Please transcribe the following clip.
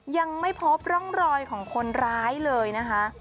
ยังไม่พบร่องรอยของคนร้ายเลยนะคะ